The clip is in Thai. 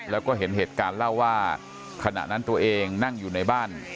แล้วก็เห็นเหตุการณ์เล่าว่าขณะนั้นตัวเองนั่งอยู่ในบ้าน